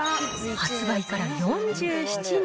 発売から４７年。